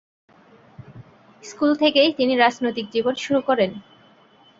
School থেকেই তিনি রাজনৈতিক জীবন শুরু করেন।